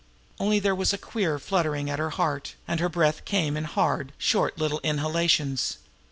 Only there was a queer fluttering at her heart now, and her breath came in hard, short little inhalations.